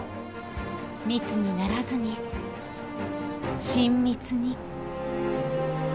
密にならずに親密に。